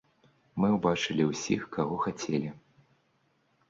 Мы ўбачылі ўсіх, каго хацелі.